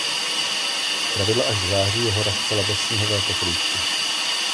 Zpravidla až v září je hora zcela bez sněhové pokrývky.